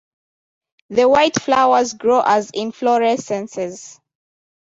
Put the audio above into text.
The white flowers grow as inflorescences.